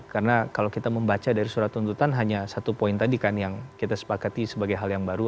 karena kalau kita membaca dari surat tuntutan hanya satu poin tadi kan yang kita sepakati sebagai hal yang baru